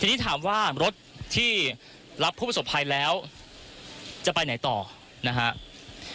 ทีนี้ถามว่ารถที่รับผู้ประสบภัยแล้วจะไปไหนต่อนะครับ